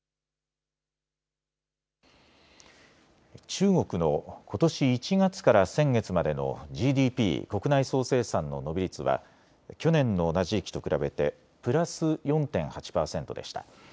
中国のことし１月から先月までのＧＤＰ・国内総生産の伸び率は去年の同じ時期と比べてプラス４．８％でした。